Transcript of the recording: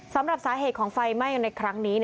สำหรับสาเหตุของไฟไหม้ในครั้งนี้